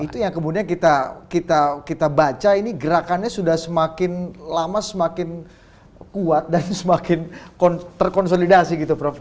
itu yang kemudian kita baca ini gerakannya sudah semakin lama semakin kuat dan semakin terkonsolidasi gitu prof